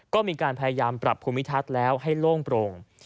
ก็มีการพยายามปรับภูมิทัศน์แล้วให้โล่งโปร่ง